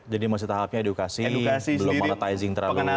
jadi masih tahapnya edukasi belum monetizing terlalu besar ya